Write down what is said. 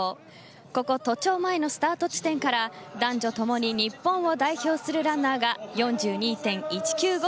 ここ都庁前のスタート地点から男女ともに日本を代表するランナーが４２．１９５